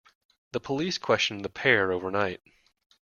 The police questioned the pair overnight